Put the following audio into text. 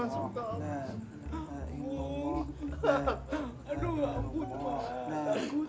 sekarang aku gila aja ya views